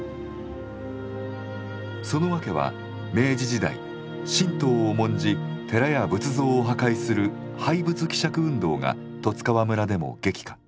その訳は明治時代神道を重んじ寺や仏像を破壊する廃仏毀釈運動が十津川村でも激化。